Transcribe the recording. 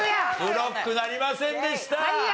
ブロックなりませんでした。